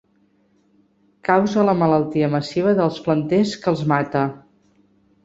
Causa la malaltia massiva dels planters que els mata.